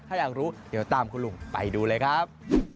ถ้าอยากรู้เดี๋ยวตามคุณลุงไปดูเลยครับ